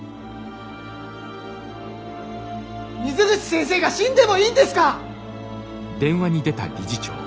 水口先生が死んでもいいんですか！？